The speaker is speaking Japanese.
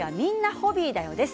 ホビーだよ」です。